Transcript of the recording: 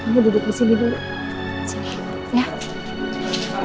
dia duduk di sini dulu